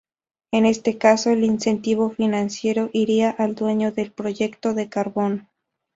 En este caso el incentivo financiero iría al dueño del proyecto de carbono.